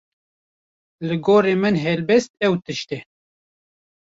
Li gorî min helbest ew tişt e